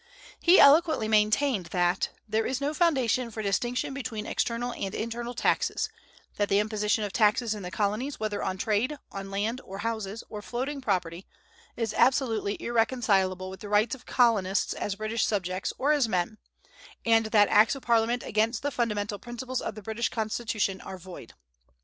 He eloquently maintained that "there is no foundation for distinction between external and internal taxes; that the imposition of taxes in the Colonies whether on trade, on land, or houses, or floating property, is absolutely irreconcilable with the rights of the Colonists as British subjects or as men, and that Acts of Parliament against the fundamental principles of the British Constitution are void."